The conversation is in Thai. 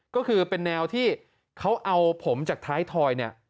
ก็คือเป็นแนวที่เขาเอาผมจากท้ายทอยเนี่ย